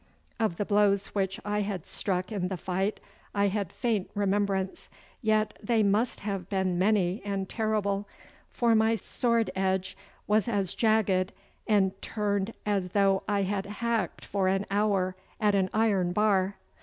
Of the blows which I had struck in the fight I had faint remembrance, yet they must have been many and terrible, for my sword edge was as jagged and turned as though I had hacked for an hour at an iron bar.